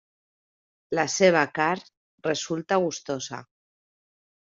La seva carn resulta gustosa.